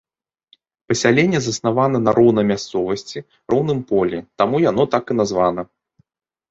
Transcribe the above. Пасяленне заснавана на роўнай мясцовасці, роўным полі, таму яно так і названа.